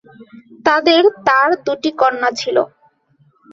তাঁদের তাঁর দুটি কন্যা ছিল।